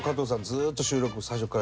ずーっと収録最初から。